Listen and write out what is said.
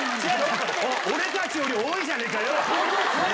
俺たちより多いじゃねえかよ。